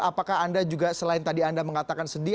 apakah anda juga selain tadi anda mengatakan sedih